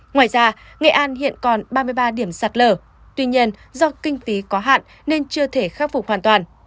ngoài ra nghệ an hiện còn ba mươi ba điểm sạt lở tuy nhiên do kinh phí có hạn nên chưa thể khắc phục hoàn toàn